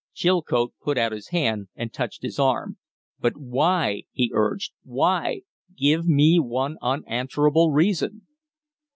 Chilcote put out his hand and touched his arm. "But why?" he urged. "Why? Give me one unanswerable reason."